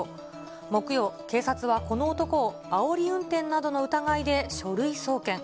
木曜、警察はこの男をあおり運転などの疑いで書類送検。